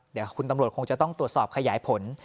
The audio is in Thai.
เดี๋ยวคุณตำรวจคงจะต้องตรวจสอบขยายผล